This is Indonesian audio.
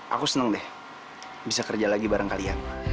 aku seneng deh bisa kerja lagi bareng kalian